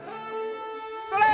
それ！